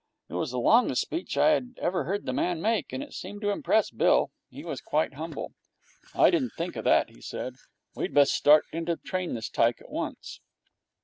It was the longest speech I had ever heard the man make, and it seemed to impress Bill. He was quite humble. 'I didn't think of that,' he said. 'We'd best start in to train this tyke at once.'